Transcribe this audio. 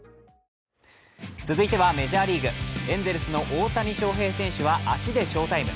続いてはメジャーリーグ、エンゼルスの大谷翔平選手は足で翔タイム。